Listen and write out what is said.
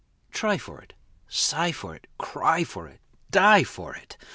Try for it sigh for it cry for it die for it!